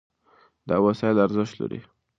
دا وسایل ارزښت لري.